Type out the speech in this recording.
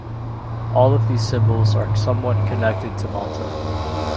All of these symbols are somewhat connected to Malta.